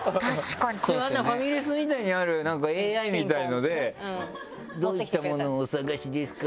ファミレスみたいにあるＡＩみたいので「どういったものをお探しですか？」